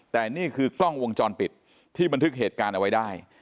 แต่นี่คือกล้องวงจรปิดที่บันทึกเหตุการณ์เอาไว้ได้